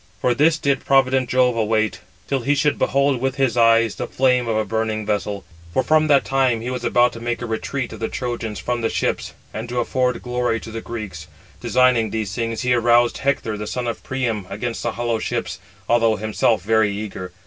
For this did provident Jove await, till he should behold with his eyes the flame of a burning vessel; for from that time he was about to make a retreat of the Trojans from the ships, and to afford glory to the Greeks. Designing these things, he aroused Hector, the son of Priam, against the hollow ships, although himself very eager.